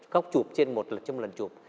góc chụp trên một lần chụp